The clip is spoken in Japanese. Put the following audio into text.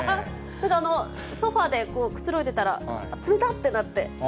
ソファーでくつろいでたら、つめたってなって。